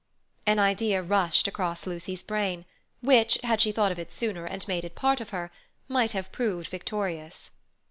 An idea rushed across Lucy's brain, which, had she thought of it sooner and made it part of her, might have proved victorious.